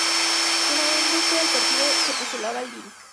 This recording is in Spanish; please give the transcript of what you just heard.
Sumándose al partido que postulaba al lic.